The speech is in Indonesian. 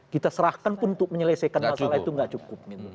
kita serahkan pun untuk menyelesaikan masalah itu nggak cukup